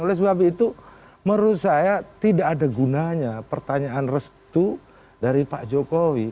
oleh sebab itu menurut saya tidak ada gunanya pertanyaan restu dari pak jokowi